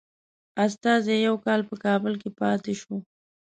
استازی یو کال په کابل کې پاته شو.